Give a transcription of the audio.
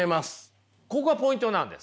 ここがポイントなんです。